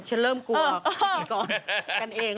ปล่อยให้เบลล่าว่าง